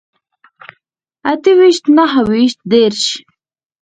اته ويشت نهه ويشت دېرش